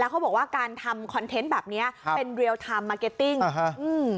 เขาบอกว่าการทำคอนเทนต์แบบเนี้ยครับเป็นเรียลไทม์มาร์เก็ตติ้งอ่าฮะอืม